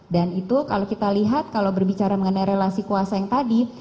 dan itu kalau kita lihat kalau berbicara mengenai relasi kuasa yang tadi